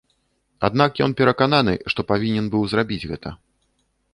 Аднак ён перакананы, што павінен быў зрабіць гэта.